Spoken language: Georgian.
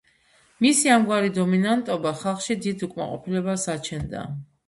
მისი ამგვარი დომინანტობა ხალხში დიდ უკმაყოფილებას აჩენდა.